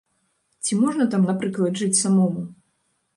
Ці можна там, напрыклад, жыць самому?